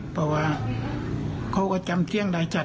เพราะว่าเขาก็จำเที่ยงได้จัด